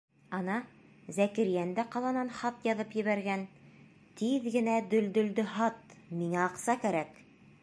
Ана Зәкирйән дә ҡаланан хат яҙып ебәргән: «Тиҙ генә Дөлдөлдө һат, миңә аҡса кәрәк!»